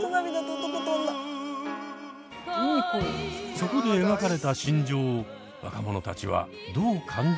そこで描かれた心情を若者たちはどう感じるのでしょうか？